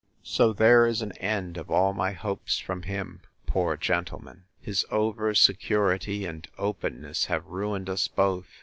So there is an end of all my hopes from him, poor gentleman! His over security and openness have ruined us both!